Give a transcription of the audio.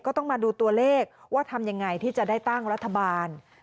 ก็ต้องมาดูตัวเลขว่าทำยังไงที่จะได้ตั้งรัฐบาล